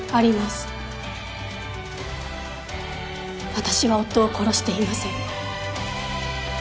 私は夫を殺していません。